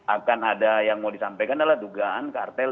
akan ada yang mau disampaikan adalah dugaan kartel